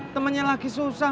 temennya lagi susah